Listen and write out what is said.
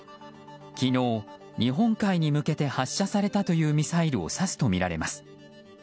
昨日、日本海に向けて発射されたというミサイルを指すとみられます。